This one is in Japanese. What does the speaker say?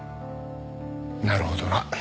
なるほどな。